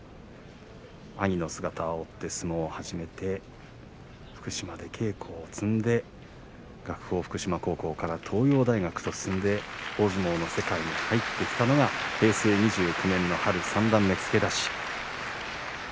兄の背中を追って相撲を始めて福島で稽古を積んで学法福島高校から東洋大学と進んで、大相撲の世界に入ってきたのが平成２９年の春三段目付け出し